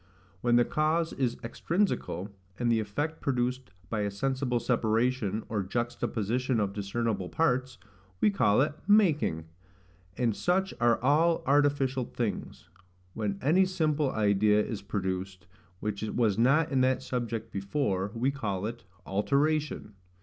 When the cause is extrinsical, and the effect produced by a sensible separation, or juxta position of discernible parts, we call it MAKING; and such are all artificial things. When any simple idea is produced, which was not in that subject before, we call it ALTERATION.